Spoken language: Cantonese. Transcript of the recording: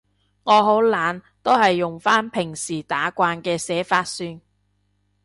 我好懶，都係用返平時打慣嘅寫法算